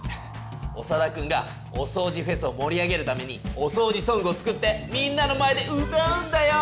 オサダくんがおそうじフェスを盛り上げるために「おそうじソング」を作ってみんなの前で歌うんだよ！